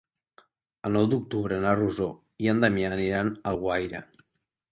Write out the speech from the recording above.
El nou d'octubre na Rosó i en Damià aniran a Alguaire.